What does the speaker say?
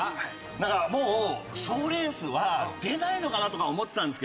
なんかもう賞レースは出ないのかなとか思ってたんですけど。